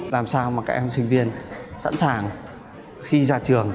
làm sao mà các em sinh viên sẵn sàng khi ra trường